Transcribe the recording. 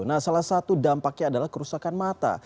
nah salah satu dampaknya adalah kerusakan mata